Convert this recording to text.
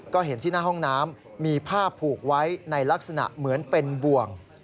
ก็เห็นที่หน้าห้องน้ำมีผ้าผูกไว้ในลักษณะเหมือนเป็นบ่วง